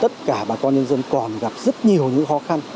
tất cả bà con nhân dân còn gặp rất nhiều những khó khăn